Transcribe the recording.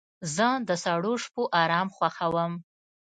زه د سړو شپو آرام خوښوم.